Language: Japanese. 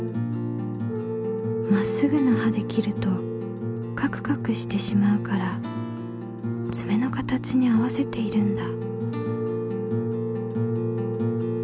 まっすぐな刃で切るとカクカクしてしまうからつめの形に合わせているんだ。